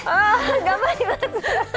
頑張ります！